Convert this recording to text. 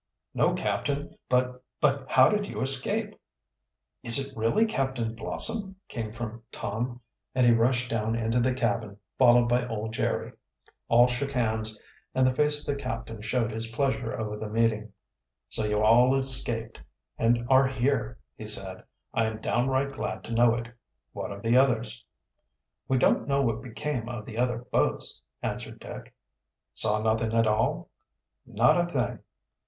"No, captain. But but how did you escape?" "Is it really Captain Blossom?" came from Tom, and he rushed down into the cabin, followed by old Jerry. All shook hands, and the face of the captain showed his pleasure over the meeting. "So you all escaped and are here," he said. "I am downright glad to know it. What of the others?" "We don't know what became of the other boats," answered Dick. "Saw nothing at all?" "Not a thing."